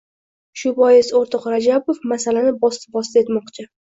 Shu bois, o‘rtoq Rajabov masalani bosdi-bosdi etmoqchi.